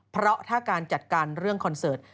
เพราะถ้าการจัดการเรื่องคอนเสิร์ต